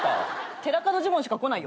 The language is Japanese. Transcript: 寺門ジモンしか来ないよ。